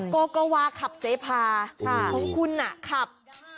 โกโกวาขับเสพาของคุณขับ